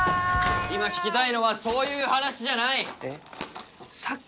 今聞きたいのはそういう話じゃないえっ？